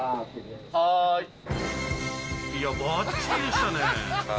はい。